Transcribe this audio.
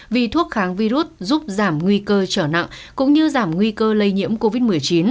vì thuốc kháng virus giúp giảm nguy cơ trở nặng cũng như giảm nguy cơ lây nhiễm covid một mươi chín